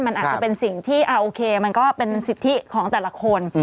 มันอาจจะเป็นสิ่งที่โอเคมันก็เป็นสิทธิของแต่ละคน